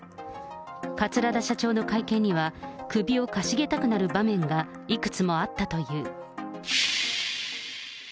桂田社長の会見には、首をかしげたくなる場面がいくつもあったという。